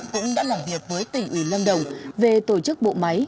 cũng đã làm việc với tỉnh ủy lâm đồng về tổ chức bộ máy